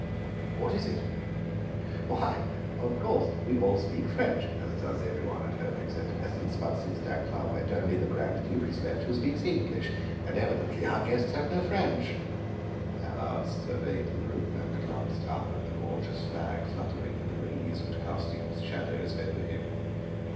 "What is it?" "Why, of course we all speak French as does every one at home except peasants but since Dancla went only the Grand Duke is left who speaks English. And evidently our guests have no French." Allard surveyed the group, and glanced up at the gorgeous flag fluttering in the breeze and casting its shadow over him.